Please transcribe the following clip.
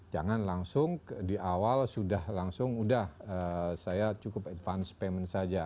jangan langsung di awal sudah langsung udah saya cukup advance payment saja